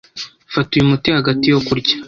Fata uyu muti hagati yo kurya.